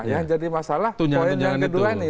yang jadi masalah poin yang kedua nih